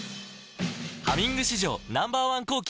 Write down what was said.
「ハミング」史上Ｎｏ．１抗菌